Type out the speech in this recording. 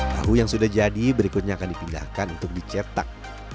tahu yang sudah jadi berikutnya akan dipindahkan untuk dicetak